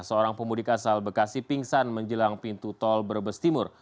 seorang pemudik asal bekasi pingsan menjelang pintu tol brebes timur